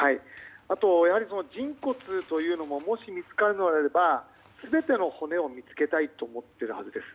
やはり人骨というのももし見つかるのであれば全ての骨を見つけたいと思っているはずです。